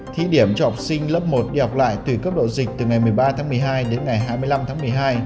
thí điểm cho học sinh lớp một đi học lại từ cấp độ dịch từ ngày một mươi ba tháng một mươi hai đến ngày hai mươi năm tháng một mươi hai